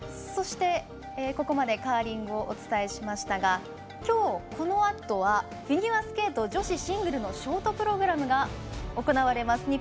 ここまでカーリングをお伝えしましたがきょう、このあとはフィギュアスケート女子シングルのショートプログラムが行われます。